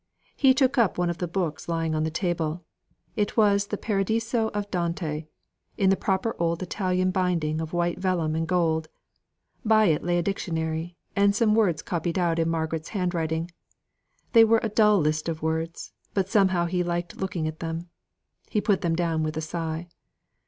He took up one of the books lying on the table; it was the Paradise of Dante, in the proper old Italian binding of white vellum and gold; by it lay a dictionary, and some words copied out in Margaret's handwriting. They were a dull list of words, but somehow he liked looking at them. He put them down with a sigh.